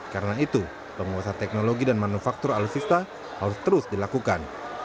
karena itu penguasa teknologi dan manufaktur alusista harus terus dilakukan